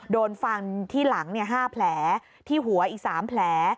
โดนฟันที่หลัง๕แผลที่หัวอีก๓แผล